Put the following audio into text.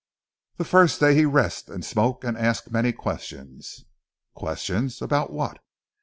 "The first day he rest and smoke and ask many questions." "Questions? About what?"